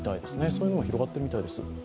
そういうのも広がってるみたいです。